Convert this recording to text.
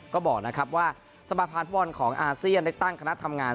ก็บอกนะครับว่าสมาภัณฑ์ฟุตบอลของอาเซียนได้ตั้งคณะทำงาน